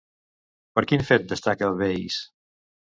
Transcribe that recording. Per quin fet destaca Veïs?